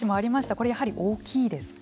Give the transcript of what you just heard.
これ、やはり大きいですか。